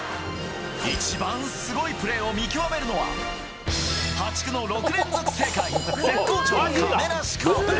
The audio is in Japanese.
一番すごいプレーを見極めるのは、破竹の６連続正解、絶好調、亀梨か。